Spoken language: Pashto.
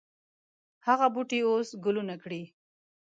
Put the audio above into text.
هغه بوټی اوس ګلونه کړي